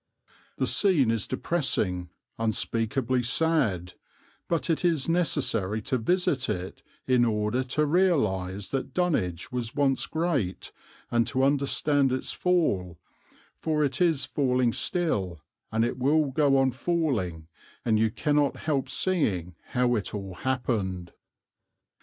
The scene is depressing, unspeakably sad; but it is necessary to visit it in order to realize that Dunwich was once great and to understand its fall, for it is falling still, and it will go on falling; and you cannot help seeing how it all happened.